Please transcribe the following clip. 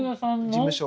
事務所。